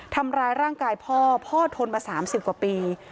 ทำร้ายร่างกายพ่อพ่อทนมา๓๐กว่าปี